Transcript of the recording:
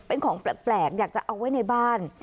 เป็นของแปลกอยากจะเอาไว้ในบ้าน